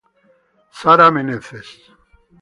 Sarah Menezes